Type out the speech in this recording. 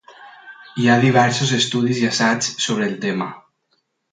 Hi ha diversos estudis i assaigs sobre el tema.